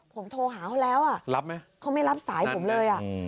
ผมโทรหาเขาแล้วอ่ะรับไหมเขาไม่รับสายผมเลยอ่ะ